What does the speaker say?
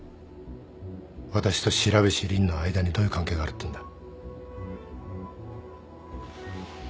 私と白菱凜の間にどういう関係があるっていうんだ。